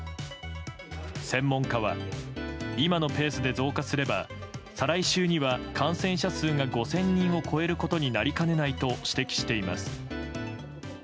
専門家は今のペースで増加すれば再来週には感染者数が５０００人を超えることになりかねないと指摘しています。